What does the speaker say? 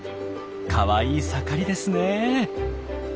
かわいい盛りですねえ！